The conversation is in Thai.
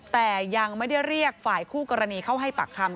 แต่ยังไม่ได้เรียกฝ่ายคู่กรณีเข้าให้ปากคำ